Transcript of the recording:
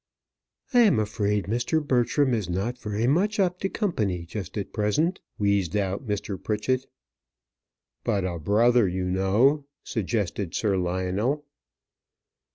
"I am afraid Mr. Bertram is not very much up to company just at present," wheezed out Mr. Pritchett. "But a brother, you know," suggested Sir Lionel.